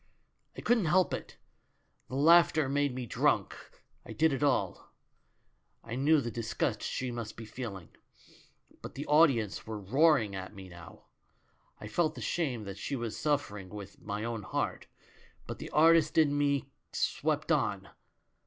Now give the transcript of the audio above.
i *'I couldn't help it — the laughter made me drunk; I did it all I I knew the disgust she must be feeling, but the audience were roaring at me now ; I felt the shame that she was suffering with my own heart, but the artist in me swept me on.